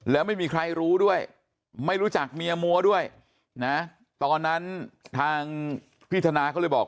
แล้วไม่มีใครรู้ด้วยไม่รู้จักเมียมัวด้วยนะตอนนั้นทางพี่ธนาเขาเลยบอก